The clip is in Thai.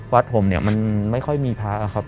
วัดผมมันไม่ค่อยก็มีพระครับ